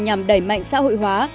nhằm đẩy mạnh xã hội hóa